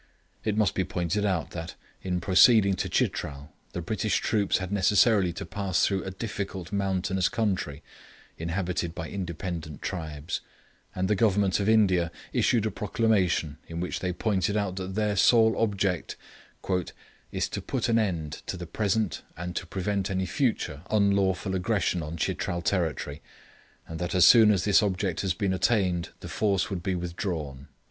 It must be pointed out that, in proceeding to Chitral, the British troops had necessarily to pass through a difficult mountainous country inhabited by independent tribes; and the Government of India issued a proclamation in which they pointed out that their sole object 'is to put an end to the present and to prevent any future unlawful aggression on Chitral territory, and that as soon as this object has been attained the force would be withdrawn.'